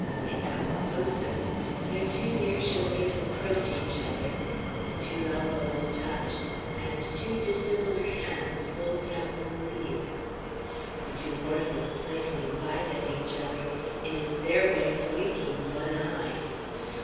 They come closer. Their two near shoulders approach each other, the two elbows touch, and two dissimilar hands hold down the leaves. The two horses playfully bite at each other; it is their way of winking one eye.